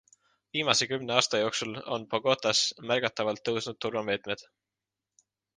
Viimase kümne aasta jooksul on Bogotas märgatavalt tõusnud turvameetmed.